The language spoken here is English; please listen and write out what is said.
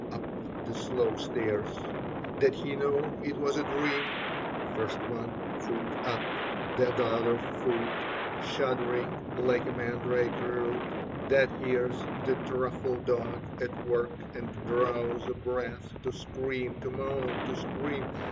Up the slow stairs : Did he know it was a dream ? First one foot up, then the other foot. Shuddering like a mandrake root That hears the truffle dog at work And draws a breath to scream ; To moan, to scream.